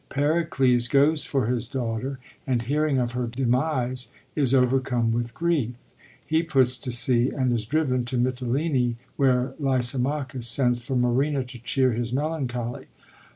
Pericles goes for his daughter, and, hearing of her demise, is overcome with grief. He puts to sea, and is driven to Mitylene, where Lysimachus sends for Marina to cheer his melancholy.